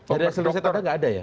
dari hasil setelah itu nggak ada ya